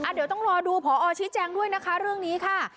เดี๋ยวต้องรอดูพอชี้แจงด้วยนะคะเรื่องนี้ค่ะ